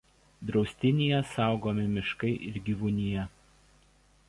Draustinyje saugomi miškai ir gyvūnija.